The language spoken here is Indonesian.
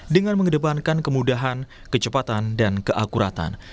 dengan mengedepankan kemudahan kecepatan dan keakuratan